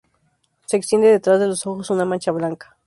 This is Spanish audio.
Se extiende detrás de los ojos una mancha blanca.